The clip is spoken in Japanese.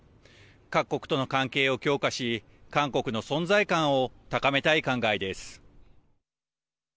各国との関係を強化し韓国の存在感を高めたい考えです。